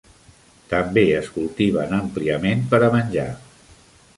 També es cultiven àmpliament per a menjar.